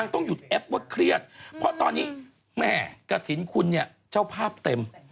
ต้องหยุดแอปว่าเครียดเพราะตอนนี้แม่กระถิ่นคุณเนี่ยเจ้าภาพเต็ม